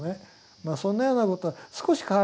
まあそんなようなことは少し変わりましたね。